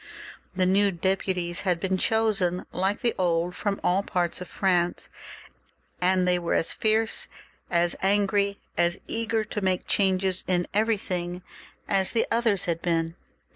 The new deputies had been chosen like the old from all parts of France, and they were as fierce, as angry, as eager to make changes in everything, as the others had been.